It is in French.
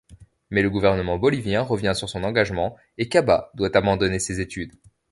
Mais le gouvernement bolivien revient sur son engagement et Caba doit abandonner ses études.